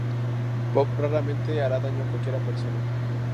Bob raramente hará daño a cualquier persona.